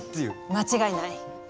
間違いない。